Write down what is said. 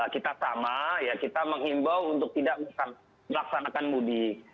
kita sama ya kita menghimbau untuk tidak melaksanakan mudik